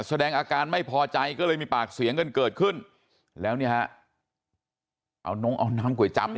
แสดงอาการไม่พอใจก็เลยมีปากเสียงกันเกิดขึ้นแล้วเอาน้องเอาน้ำก๋วยจับ